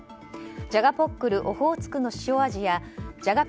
じゃがポックルオホーツクの塩味やじゃが